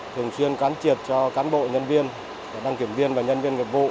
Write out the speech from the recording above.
thường xuyên cán triệt cho cán bộ nhân viên đăng kiểm viên và nhân viên nghiệp vụ